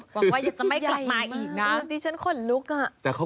หวังว่าจะไม่กลับมาอีกนะ